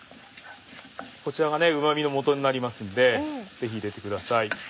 こちらがうま味のもとになりますんでぜひ入れてください。